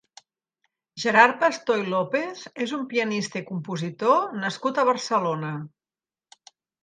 Gerard Pastor i López és un pianista i compositor nascut a Barcelona.